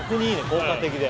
効果的で